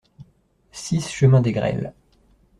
six chemin des Greles